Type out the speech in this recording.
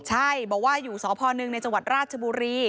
ใช่บอกว่าอยู่สพหนึ่งในจังหวัดราชบุรี